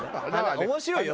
面白いよ